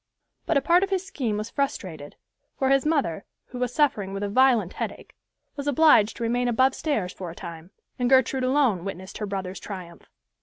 But a part of his scheme was frustrated, for his mother, who was suffering with a violent headache, was obliged to remain above stairs for a time, and Gertrude alone witnessed her brother's triumph.